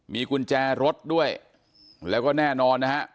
มีกุญแจรถด้วยแล้วก็แน่นอนนะฮะ